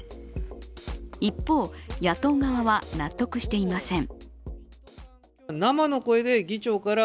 一方、野党側は納得していません。